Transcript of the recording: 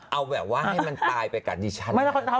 เอาแบบว่าให้มันตายไปกับดิฉัน